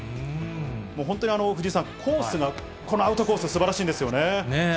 もう本当に藤井さん、コースが、このアウトコース、すばらしいんねえ。